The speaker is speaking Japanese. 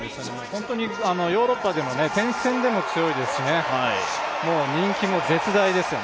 ヨーロッパでの転戦でも強いですし人気も絶大ですよ。